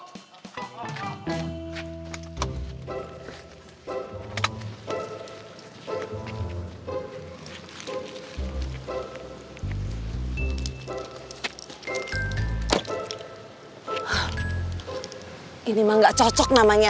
nah ini mah nggak cocok namanya